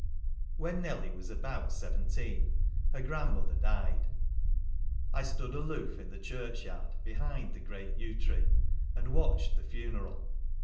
When Nelly was about seventeen, her gran dim ilher died. I stood aloof in the church yard, behind the great yew tree, and watched the funeral.